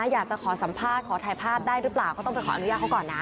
อยากจะขอสัมภาษณ์ขอถ่ายภาพได้หรือเปล่าก็ต้องไปขออนุญาตเขาก่อนนะ